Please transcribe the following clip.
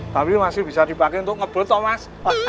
tapi masih bisa dipake untuk ngebut toh mas